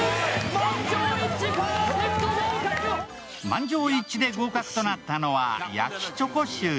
満場一致で合格となったのは、焼チョコシュー。